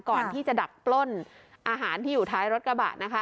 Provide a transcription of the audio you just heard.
ก่อนที่จะดักปล้นอาหารที่อยู่ท้ายรถกระบะนะคะ